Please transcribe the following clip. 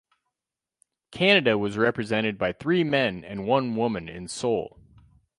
Canada was represented by three men and one woman in Seoul.